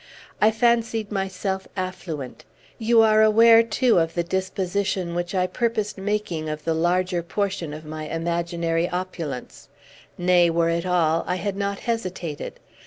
I fancied myself affluent. You are aware, too, of the disposition which I purposed making of the larger portion of my imaginary opulence, nay, were it all, I had not hesitated.